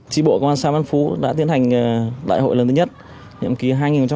chí bộ công an xã văn phú đã tiến hành đại hội lần thứ nhất nhiệm ký hai nghìn hai mươi hai nghìn hai mươi hai